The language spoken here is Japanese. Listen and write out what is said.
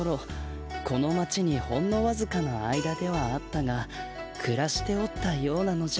この町にほんのわずかな間ではあったがくらしておったようなのじゃ。